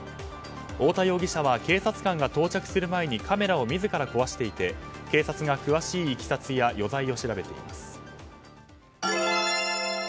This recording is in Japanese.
太田容疑者は警察官が到着する前にカメラを自ら壊していて警察が詳しいいきさつや余罪を調べています。